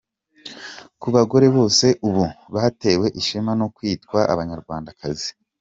Ku bagore bose ubu batewe ishema no kwitwa abanyarwandakazi, .